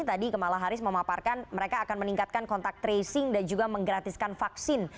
tadi kemala harris memaparkan mereka akan meningkatkan kontak tracing dan juga menggratiskan vaksin